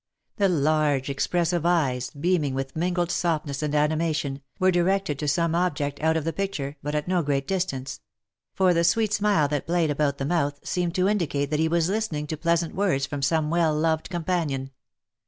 The large expressive eyes, beaming with mingled softness and animation, were directed to some object out of the pic ture, but at no great distance ; for the sweet smile that played about the mouth seemed to indicate that he was listening to pleasant words from some well loved companion.